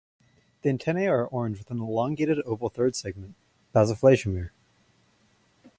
The antennae are orange with an elongated oval third segment (basoflageomere).